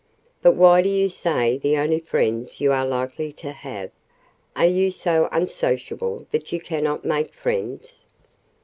"But why do you say the only friends you are likely to have? Are you so unsociable that you cannot make friends?"